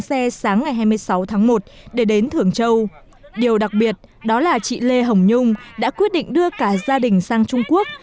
vào sáng ngày hai mươi sáu tháng một để đến thưởng châu điều đặc biệt đó là chị lê hồng nhung đã quyết định đưa cả gia đình sang trung quốc